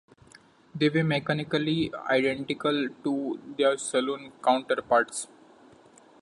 They were mechanically identical to their saloon counterparts.